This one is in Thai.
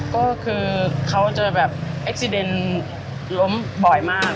ก็คือเขาจะแบบเอ็กซีเดนล้มบ่อยมาก